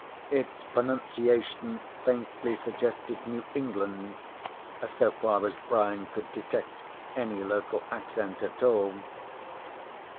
Its pronunciation faintly suggested New England, so far as Brian could detect any local accent at all.